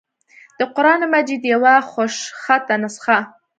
دَقرآن مجيد يوه خوشخطه نسخه